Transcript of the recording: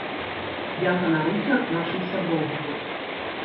Я ганаруся нашым сяброўствам.